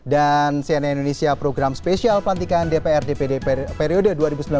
dan cnn indonesia program spesial pelantikan dpr dpd periode dua ribu sembilan belas dua ribu dua puluh empat